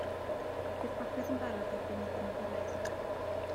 Bydd popeth yn barod erbyn iddyn nhw gyrraedd.